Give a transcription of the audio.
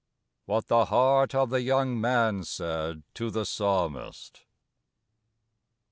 ■WHAT THE HEART OF THE YOUNG MAN SAID TO THE PSALMIST.